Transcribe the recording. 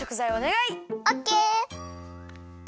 オッケー！